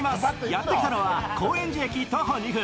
やってきたのは高円寺徒歩２分。